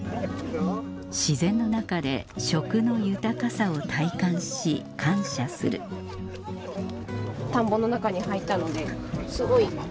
自然の中で食の豊かさを体感し感謝する田んぼの中に入ったのですごい。